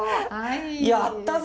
やったぜ！